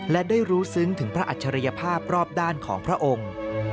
และได้รู้ซึ้งถึงพระอัจฉริยภาพรอบด้านของพระองค์